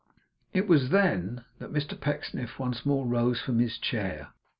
It was then that Mr Pecksniff once more rose from his chair.